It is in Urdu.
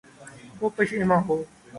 کو پشیماں ہوں